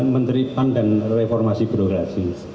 menteri pan dan reformasi birokrasi